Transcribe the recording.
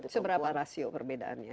seberapa rasio perbedaannya